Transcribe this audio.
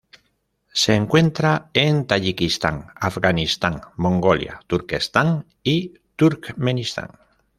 Se encuentra en Tayikistán, Afganistán, Mongolia, Turquestán y Turkmenistán.